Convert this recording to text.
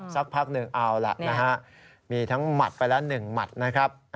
สักพักหนึ่งเอาล่ะนะฮะมีทั้งหมัดไปแล้ว๑หมัดนะครับ